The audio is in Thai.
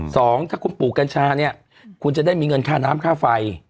สองถ้าคุณปลูกกัญชาเนี่ยคุณจะได้มีเงินค่าน้ำค่าไฟ